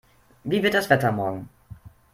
Wie wird das Wetter morgen?